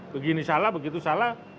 begini salah begitu salah